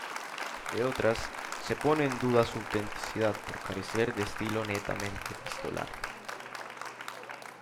De otras, se pone en duda su autenticidad por carecer de estilo netamente epistolar.